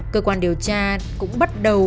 cơ quan điều tra cũng bắt đầu